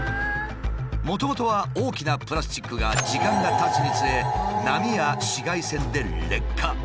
もともとは大きなプラスチックが時間がたつにつれ波や紫外線で劣化。